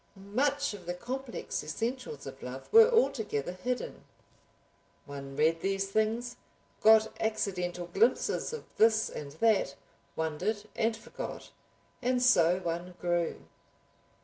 Much of the complex essentials of love were altogether hidden. One read these things, got accidental glimpses of this and that, wondered and forgot, and so one grew.